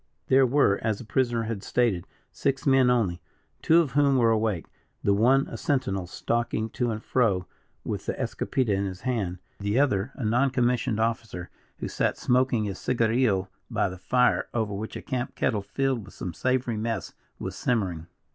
There were, as the prisoner had stated, six men only; two of whom were awake, the one a sentinel stalking to and fro with the escopeta in his hand, the other, a non commissioned officer, who sat smoking his cigarillo by the fire, over which a camp kettle, filled with some savory mess, was simmering.